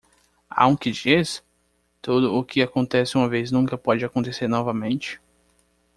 Há um que diz? 'Tudo o que acontece uma vez nunca pode acontecer novamente.